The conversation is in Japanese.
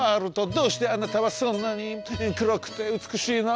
どうしてあなたはそんなにくろくてうつくしいの？